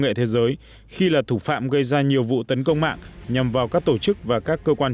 nghệ thế giới khi là thủ phạm gây ra nhiều vụ tấn công mạng nhằm vào các tổ chức và các cơ quan